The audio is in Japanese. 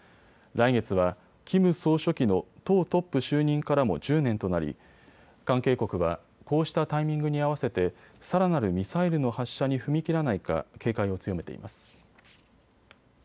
来月はキム総書記の党トップ就任からも１０年となり関係国は、こうしたタイミングに合わせてさらなるミサイルの発射に踏み切らないか警戒を強めています。